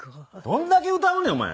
どんだけ歌うねんお前。